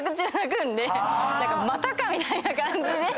何かまたかみたいな感じで。